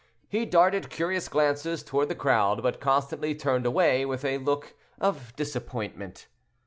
He darted curious glances toward the crowd, but constantly turned away, with a look of disappointment.